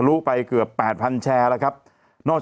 หนูน้อยเนี่ยหมดแรงจริง